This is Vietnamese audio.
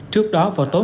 trước đó vào tối